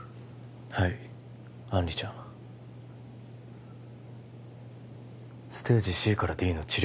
はい杏里ちゃんステージＣからＤの治療